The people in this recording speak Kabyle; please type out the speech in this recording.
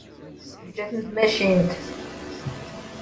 Teǧǧa-tent tmacint.